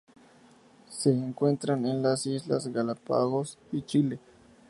Se encuentran en las Islas Galápagos y Chile.